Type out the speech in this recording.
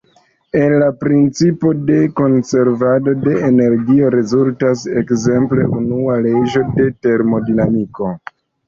El la principo de konservado de energio rezultas ekzemple unua leĝo de termodinamiko.